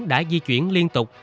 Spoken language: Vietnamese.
đã di chuyển liên tục